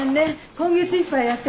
今月いっぱいやってるから。